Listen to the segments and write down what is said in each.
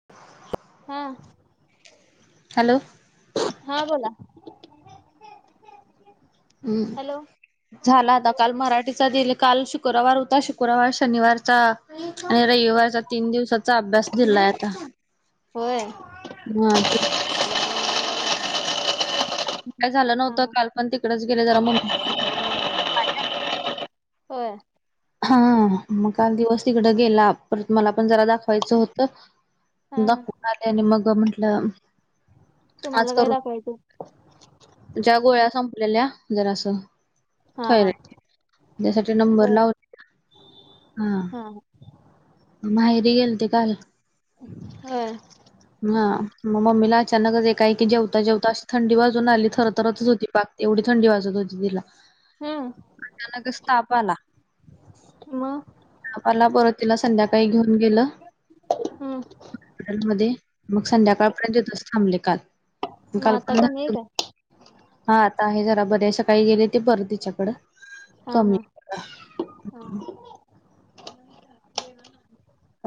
[inaudible] हा. हॅलो. हा बोला. [unintelligible] हॅलो हम्म झाला आता काल मराठीचा दिले काल शुक कुरवार होता शुक्रवार शनिवारचा आणि रविवारचा तीन दिवसाचा अभ्यास दिलाय आता ह. हा [unintelligible] काय झालं हा नव्हतं काल पण तिकंडच गेले जरा मम होय हा मग काल दिवस तिकडं गेला पर मला पण जरा दाखवायचं हा होतं हा दाखवून आली आणि मग म्हंटलं आज तुम्हाला काय करून दाखवायचं. ज्या गोळ्या संपलेल्या जरा अस [unintelligible] हा हा त्यासाठी नंबर होय लाव हा. हा हा. मी माहेरी गेलती काल. हा. हा मग मम्मीला अचानकच एका ऐकी जेवता जेवता अशी थंडी वाजून आली थर थरतच होती पाक तेवढी थंडी वाचत होती तिला [unintelligible] कस ताप आला म [unintelligible] ला परत तला संध्याकाळी घेऊन गेलं हम्म. हॉस्पिटलमध्ये मग संध्याकाळपर्यंत तिथेच थांबले काल. म आता कमी हे काय. हा आता आहे जरा बरी सकाळी गेले ते बरं तिच्याकडं हा कमी हा आहे जरा. हा.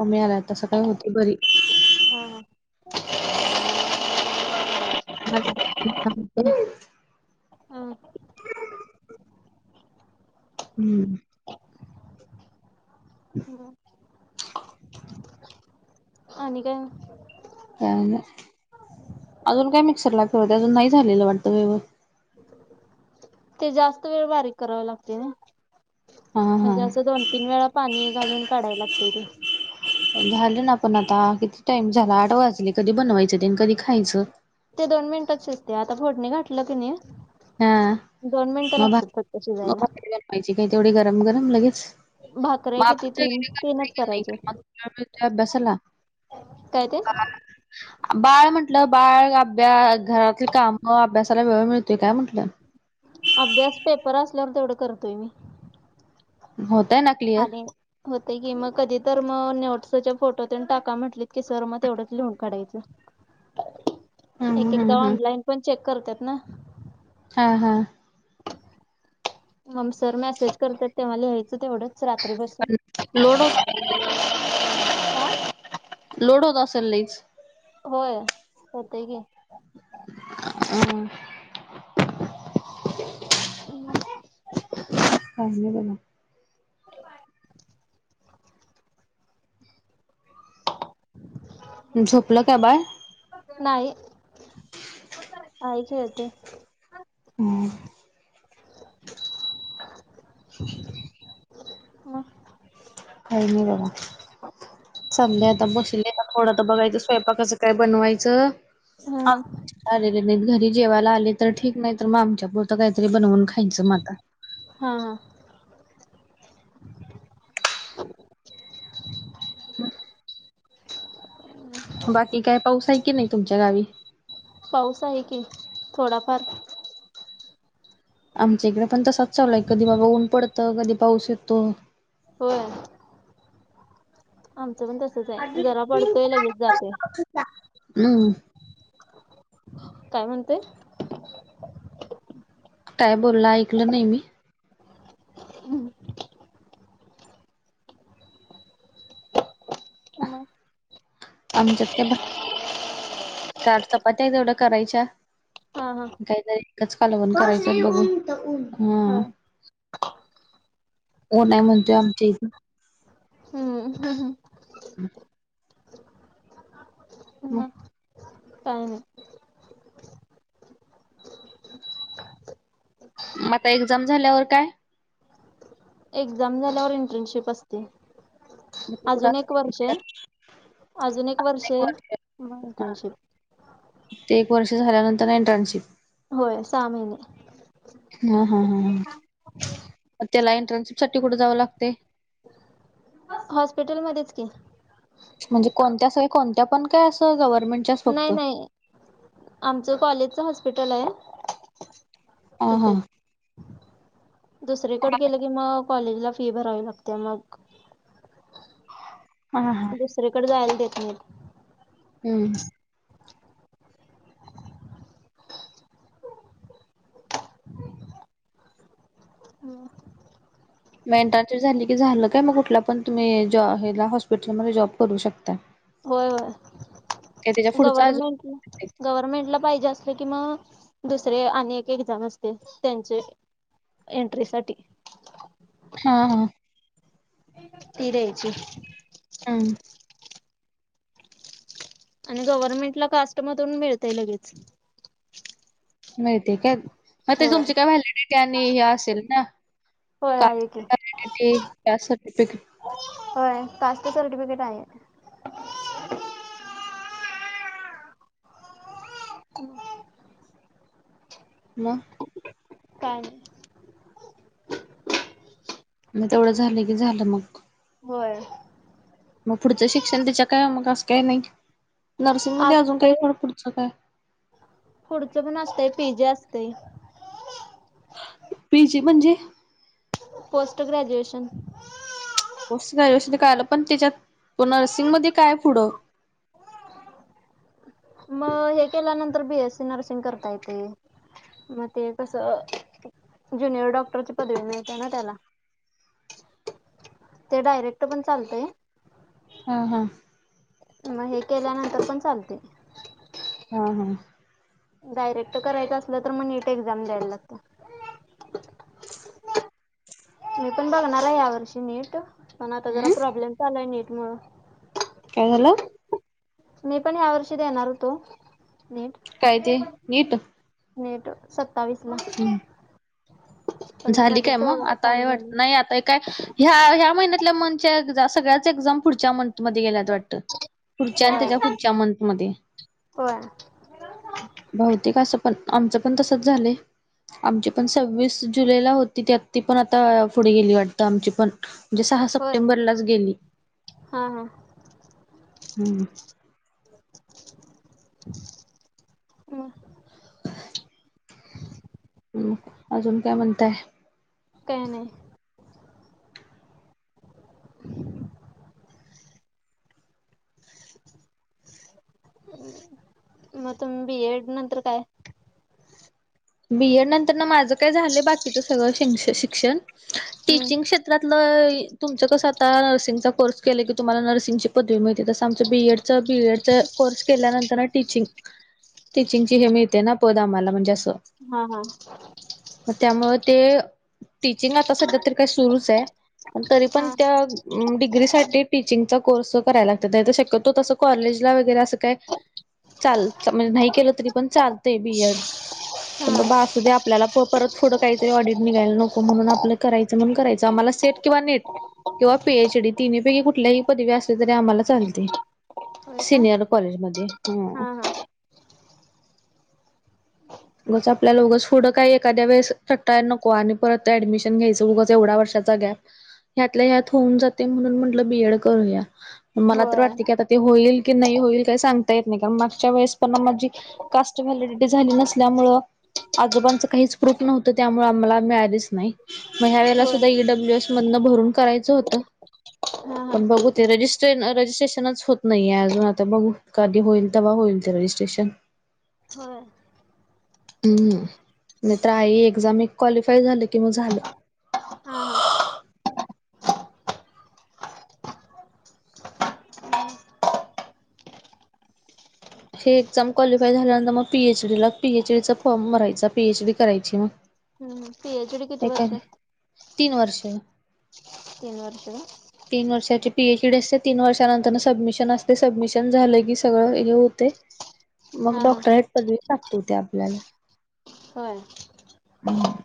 कमी आलाय तस काही होते बरी. हा हा. [unintelligible] [unintelligible] हा. हम्म. हम्म. [inaudible] आणि काय? [unintelligible] अजून काय मिक्सर दाखवते अजून नाही झालेलं वाटतं व्यव ते जास्त वेळ बारीक करावे लागते ना हां. म्हणजे असं दोन तीन वेळा पाणी घालून काढाय लागत ते. झालं ना पण आता किती टाइम झाला आठ वाजले कधी बनवायचं ते कधी खायचं. ते दोन मिनिटच शसते आता फोडणी घाातलं की हा नाही दोन मिनटं लागतात फक्त शिजायला. पाहायची काय तेवढी गरम गरम लगेच भाकऱ्या किती तीन तीनच करायचे [unintelligible] अभ्यासाला. काय ते. बाळ म्हटलं बाळ अभ्या घरातील काम अभ्यासाला वेळ मिळतोय काय म्हटलं. अभ्यास पेपर असल्यावर तेवढं करतोय मी. होतय ना. क्लिअर आले. होतय की मग कधी तर म नोटसचे फोटो तेन टाका म्हंटलीत की सर मग तेवढंच लिहून काढायचं. [inaudible] एक हम्म एकदा हम्म ऑनलाइन पण चेक करतात ना. हा हा. मग सर मेसेज करतात तेव्हा लिहायचं तेवढंच रात्री बसून. पण लोड होत असेल, लोड होत असल लईच. होय, होतय की. [unintelligible] [unintelligible] कांजणे बनव. झोपलं काय बाळ? नाही, [unintelligible] खेळतय. हम्म. म. काय नाही बघा. चालय आता बसले आता थोडं तर बघायचं स्वयंपाकाचं काय बनवायचं? हा आ, आलेले नाहीत घरी जेवायला आले तर ठीक नाही तर मग आमच्या पुरतं काहीतरी बनवून खा खायच म आता. हा. बाकी काय पाऊस आहे की नाही तुमच्या गावी? पाऊस आहे की थोडाफार. आमच्या इकडे पण तसच चालूय कधी बाबा ऊन पडतं कधी पाऊस येतो. होय. आमचं पण तसच आहे जरा पडतोय लगेच जातोय. [unintelligible] हम. काय म्हणतोय? काय बोलला ऐकलं नाही मी. हम्. मग आमच्यात काय भा कार्ड चपात्या तेवढं करायच्या. हा हा काहीतरी एकच कालवण करायचं बघून हा. होय ऊन हाय म्हणतोय आमच्या इथं. हम्म. हम्. हम्. मग काय नाय. म आता एक्झाम झाल्यावर काय? एक्झाम झाल्यावर इंटर्नशिप असते, मग ते कुठं अजून एक असं वर्षये. अजून एक वर्ष आहे, म इंटर्नशिप. ते एक वर्ष झाल्यानंतर इंटर्नशिप. होय सहा महिने. हा हा हा, त्याला एंट्रन्शिप साठी कुठ जावं लागतय? हॉस्पिटलमध्येच की. म्हणजे कोणत्या सोय कोणत्या पण काय असं गव्हर्मेंट. नाही नाही, आमचं कॉलेजच हॉस्पिटल हाय. अ हां दुसरेकडे गेलं की मग कॉलेजला फी भरावी लागते मग हा दुसरेकडे जायला देत नाही हम्म मेंटा झाली की झालं काय मग कुठला पण तुम्ही जॉला हॉस्पिटलमध्येध्ये जॉब करू शकता होय होय काय त्याच्या पुढचा अजून गव्हर्मेंट गव्हर्नमेंटला पाहिजे असलं कि मग दुसरे आणि एक एक्झाम असते त्यांचे एंट्रीसाठीठी हा हा तीरची हां आणि गव्हर्नमेंट ला कास्टमधून मिळतंय लगेच मिळते का मग ते होय तुमची काय व्हॅलिडिटी आणि हे असेल ना होय का आहे की. सटिफिकेट होय कास्ट सर्टिफिकेट आहे हकू मग का म तेवढं झालं की झालं मग होय मग पुढचं शिक्षण त्याच्या काय मग असं काही नाही नर्सिंग मध्ये अजून काही असतंय फड पुढचं काय पुढचं पण असतं पिजे असते पीजे म्हणजे पोस्ट ग्रॅजुएशन पोस्ट ग्रॅज्युएशन कायलं पण त्याच्यात त नर्सिंगमध्येध्ये काय पुढं मग हे केल्यानंतर बीएस सी नर्सिंग करता येते म ते कस ज्युनियर डॉक्टरची पदवी मिळते ना त्याला ते डायरेक्ट पण चालतय हा हा मग हे केल्यानंतर पण चालते हा हा डायरेक्ट करायचं असलं तर मग नीट एक्झाम द्यायला लागत मी पण बघणार आहे या वर्षी नीट पण आता जरा हम्म प्रॉब्लेम झाचालाय नीट मुळ काय झालं मी पण ह्या वर्षी येणार होतो नीट काय ते नीट नेट सत्तावीस ला हम्म पण ते झाली काय मध्येच मग चालू आता हे वाटत झाली नाही आता काय ह्या ह्या महिन्याल्या मंथच्या सगळ्याच एक्झाम पुढच्या मंथ मध्ये गेल्यात वाटतं पुढच्या आणि होय त्याच्या पुढच्या मंतमध्ये होय बहतेिक असं पण आमचं पण तसच झालं आमची पण सववीस जुलैला होती त आत्ती पण आता पुढे गेली वाटत आमची पण म्हणजे सहा होय सप्टेंबरलाच गेली हा हा ह मग ह अजून काय म्हणताय काय नाही ह मत बी एड नंतर काय बीएड नंतर ना माझं काय झालंय बाकीच सगळं श शिक्षण टीचिंग हम्म केत तरतलं तुमचं कसं आता नर्सिंगचा कोर्स केले की तुम्हाला नर्सिंगची पदवी मिळतीते तसं आमचं बी एड बीएड कोर्स केल्यानंतर टीचिंग. टीचिंग ची हे मिळते ना पद आम्हाला म्हणजे असं हा हा. मग त्यामुळे ते टीचिंग आता सध्या तरी काही सुरूच आहे तरी हा पण त्या डिग्रीसाठी टीचिंगचा कोर्स कराय लागतात नाही तर शक्यतो तसं कॉलेजला वगैरे असं काय- चाल म्हणजे नाही केलं तरी पण चालते बीएड. हा बाबा असु दे आपल्याला परत थोडं काहीतरी ऑडिट निघायला नको म्हून आपलं करायचं म्हण करायचं आम्हाला सेट. किंवा नेट किंवा पीएच डी तिन्ही पैकी कुठल्याही पदवी असल्या तरी आम्हाला चालते. होय का सिनियर कॉलेजमध्ये हा हा ब आपल्या लोगंच पुोढं काही एखाद्याेळेस टटार नको आणि परत ऍडमिशन घ्यायचं बगच एवढ्या वर्षाचा गॅप. ह्यातल्या ह्यात होऊन जाते म्हणून म्हटलं बीएड करूया. मला तर होय वाटते की आता ते होईल की नाही होईल काही सांगता येत नाही कारण मागच्या वेळेस पणना माझी कास्ट व्हॅलिडिटी झाली नसल्यामुळ आजोबांचं काहीच प्र्रूप नव्हतं त्यामुळे आम्हाला मिळालेच नाही मग ह्या वेळेला होय सुद्धा ईडब्ल्यूएस मधनं भरून करायचं होतं. हा हा पण बघू ते रजिस्ट्रे रजिस्ट्रेशनच होत नाहीये अजून आता बघू काधी होईल तेव्हा होईल ते रजिस्ट्रेशन. होय. हम् नाही तर आई एक्झाम एक क्वालिफाय झालं कि म झालं. हा हा. हे एक्झाम क्वालिफाय झाल्यानंतर मग पीएच डी ला पीएच डी चा फॉर्म भरायचा पीएच डी करायची मग हम्म पिएच डी किती हे वर्ष? काय तीन वर्ष. तन वर्ष तीन वर्षाची पीएच डी असते तीन वर्षानंतर सबमिशन असते सबमिशन झालं की सगळं हे होत मग हा हा डॉक्टर पदवी लाागतोते आपल्याला. हो हम् [unintelligible]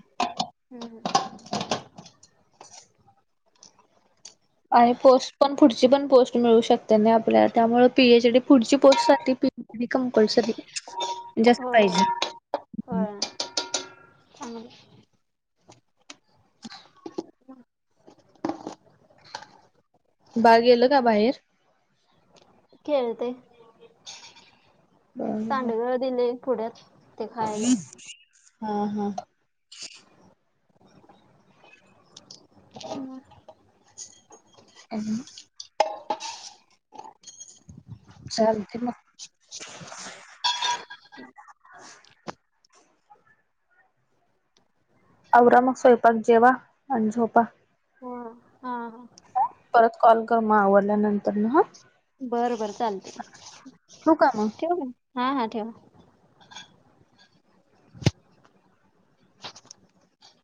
हम् आणि पोस्ट पण पुढची पण पोस्ट मिळू शकते नाही आपल्याला त्यामु पीएच डी पुढची पोस्टसाठी कंपल्सरी जास्त पाहिजे. हो ह [unintelligible] बागेलं का बाहेर? खळतय. बर सांडगळ दिले पुुढत. ह् हा हा ह ह चालते मग! अऔरा मग स्वयंपाक जेवा आणि झोपा. हो हा परत कॉल कर मग आवडल्यानंतर ना हां. बरं बरं चालते ठेवू का मग? ठेव म हा हा ठेवा.